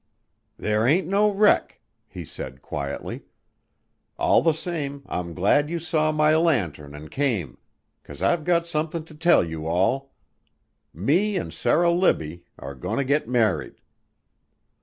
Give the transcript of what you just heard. "There ain't no wreck," he said quietly. "All the same I'm glad you saw my lantern an' came, 'cause I've got somethin' to tell you all. Me an' Sarah Libbie are goin' to get married."